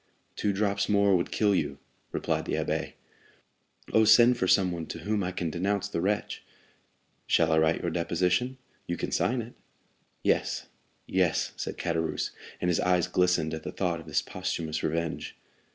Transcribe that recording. "Two drops more would kill you," replied the abbé. "Oh, send for someone to whom I can denounce the wretch!" "Shall I write your deposition? You can sign it." "Yes, yes," said Caderousse; and his eyes glistened at the thought of this posthumous revenge.